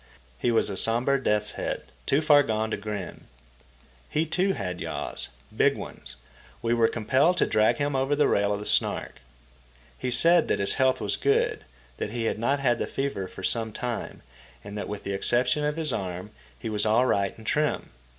He was a sombre death's head, too far gone to grin. He, too, had yaws, big ones. We were compelled to drag him over the rail of the Snark. He said that his health was good, that he had not had the fever for some time, and that with the exception of his arm he was all right and trim.